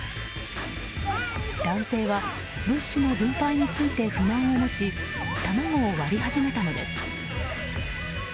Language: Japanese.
男性は物資の分配について不満を持ち卵を割り始めたのです。